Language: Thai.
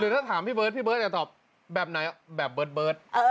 ถ้าถามพี่เบิร์ดพี่เบิร์ตจะตอบแบบไหนแบบเบิร์ต